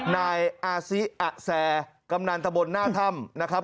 นายอาซิอะแซกำนันตะบนหน้าถ้ำนะครับ